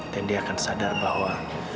dan dia akan sadar bahwa